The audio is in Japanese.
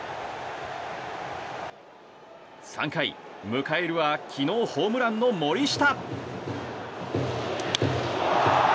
３回、迎えるは昨日ホームランの森下。